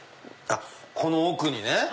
この奥にね。